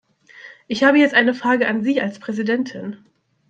Ich habe jetzt eine Frage an Sie als Präsidentin.